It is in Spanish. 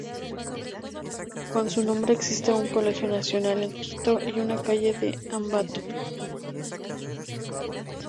Con su nombre existen un colegio nacional en Quito y una calle en Ambato.